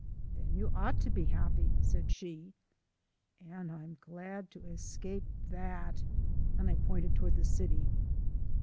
"Then you OUGHT to be happy," said she. "And I'm glad to escape THAT," and I pointed toward the city.